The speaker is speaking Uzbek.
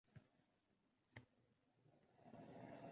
Sovunli qo'llarga antiseptik qo'llash shart emas;